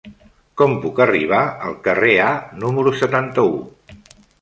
Com puc arribar al carrer A número setanta-u?